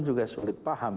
juga sulit paham